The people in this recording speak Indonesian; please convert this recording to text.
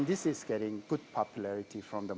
dan ini mendapatkan popularitas yang baik